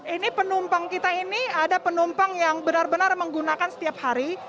ini penumpang kita ini ada penumpang yang benar benar menggunakan setiap hari